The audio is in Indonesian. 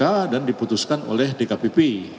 itu diputuskan oleh dkpp